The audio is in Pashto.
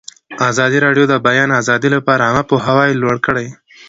ازادي راډیو د د بیان آزادي لپاره عامه پوهاوي لوړ کړی.